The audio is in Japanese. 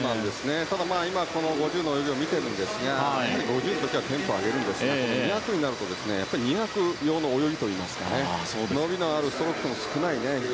ただ、今５０の泳ぎを見ているんですがやはり５０ではテンポを上げるんですが２００になると２００用の泳ぎといいますか伸びのあるストロークも少ない。